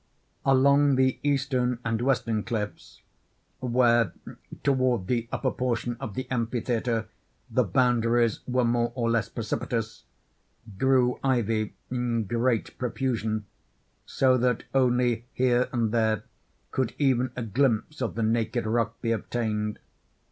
Along the eastern and western cliffs—where, toward the upper portion of the amphitheatre, the boundaries were more or less precipitous—grew ivy in great profusion—so that only here and there could even a glimpse of the naked rock be obtained.